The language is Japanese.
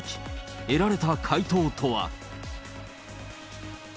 得られた回答とは。